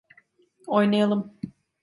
Oynayalım.